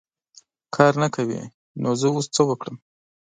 کار نه کوې ! نو زه اوس څه وکړم .